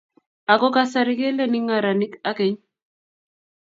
Ako kasari keleni ngaranik akeny.